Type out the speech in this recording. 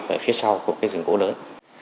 ở phía sau của cái rừng gỗ lớn